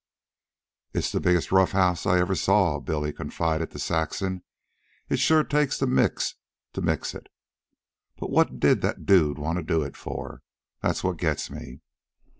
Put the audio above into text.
"It's the biggest rough house I ever saw," Billy confided to Saxon. "It sure takes the Micks to mix it. But what did that dude wanta do it for? That's what gets me.